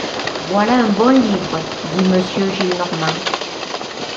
Voilà un bon livre, dit Monsieur Gillenormand.